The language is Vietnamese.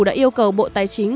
đã yêu cầu bộ tài chính